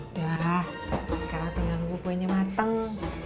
udah sekarang tinggal nunggu kuenya mateng